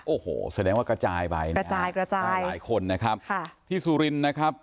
โอ้โหแสดงว่ากระจายไปหลายหลายคนนะครับค่ะที่สุรินทร์นะครับ